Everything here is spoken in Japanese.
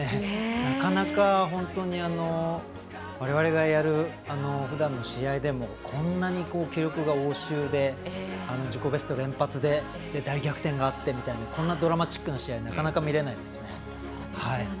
なかなか、われわれがやるふだんの試合でもこんなに記録が応酬で自己ベスト連発で大逆転でってこんなドラマチックな試合なかなか見れないですね。